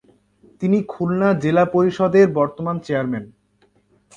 তিনি খুলনা জেলা পরিষদের বর্তমান চেয়ারম্যান।